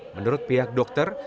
menurut pihak dokter